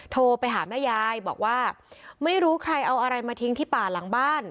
โทรไปหาแม่ยายบอกว่าไม่รู้ใครเอาอะไรมาทิ้งที่ป่าหลังบ้าน